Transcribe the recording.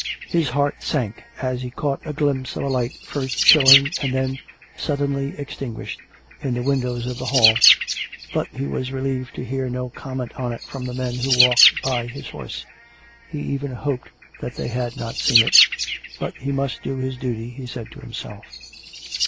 His heart sank as he caught a glimpse of a light first showing, and then suddenly extinguished, in the windows of the hall, but he was relieved to hear no comment on it from the men who walked by his horse; he even hoped that they had not seen it. ... But he must do his duty, he said to himself.